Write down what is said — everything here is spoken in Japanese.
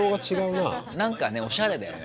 なんかねおしゃれだよね。